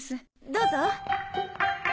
どうぞ。